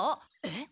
えっ？